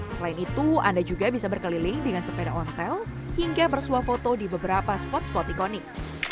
selain itu anda juga bisa berkeliling dengan sepeda ontel hingga bersuah foto di beberapa spot spot ikonik